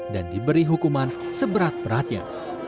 dan diberi hukuman seberat beratnya